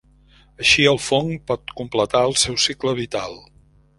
Així el fong pot completar el seu cicle vital.